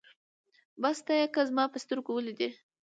بس ته يې که زما په سترګو وليدې